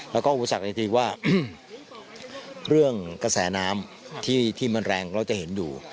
แล้วก็อุปสรรคจริงว่าเรื่องกระแสน้ำที่มันแรงเราจะเห็นอยู่